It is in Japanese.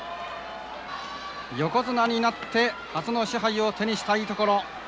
横綱になって初の賜盃を手にしたいところ。